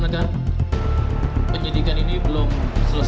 kalau pihak berwajib tidak ada bantuan dan resmi